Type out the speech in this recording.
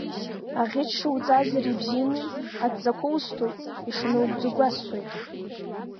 Аӷьычра уҵазар ибзиами, адҵақәа усҭоит, ишынаугӡо гәасҭоит.